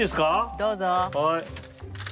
どうぞ。